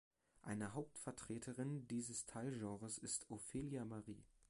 Eine Hauptvertreterin dieses Teilgenres ist Ophelia Marie.